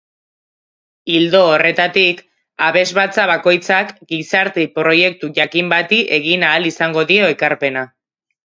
Ildo horretatik, abesbatza bakoitzak gizarte-proiektu jakin bati egin ahal izango dio ekarpena.